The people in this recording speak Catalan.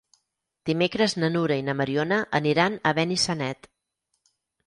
Dimecres na Nura i na Mariona aniran a Benissanet.